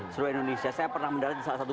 seluruh indonesia saya pernah mendarat di salah satu